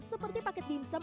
seperti paket dimsum